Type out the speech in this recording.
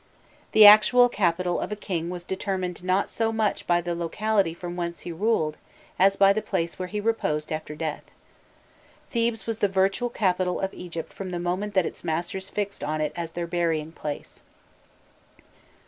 The actual capital of a king was determined not so much by the locality from whence he ruled, as by the place where he reposed after death. Thebes was the virtual capital of Egypt from the moment that its masters fixed on it as their burying place.